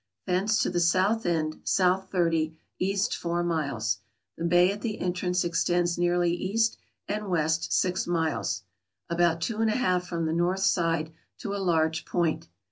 Thence to the south end, south thirty, east four miles. The bay at the entrance extends nearly east and west six miles. About two and a half from the north side to a large point.